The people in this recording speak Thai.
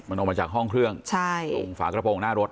มันออกมาจากห้องเครื่องใช่ตรงฝากระโปรงหน้ารถ